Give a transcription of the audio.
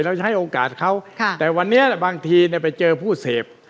จะให้โอกาสเขาแต่วันนี้บางทีไปเจอผู้เสพ